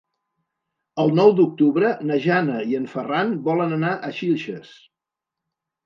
El nou d'octubre na Jana i en Ferran volen anar a Xilxes.